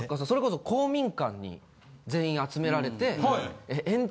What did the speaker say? それこそ公民館に全員集められて。